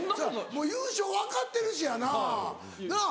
もう優勝分かってるしやな。なぁ？